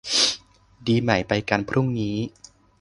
ดีไหม ไปกันพรุ่งนี้